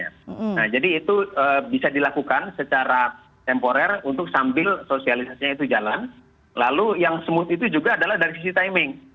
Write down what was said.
nah jadi itu bisa dilakukan secara temporer untuk sambil sosialisasinya itu jalan lalu yang smooth itu juga adalah dari sisi timing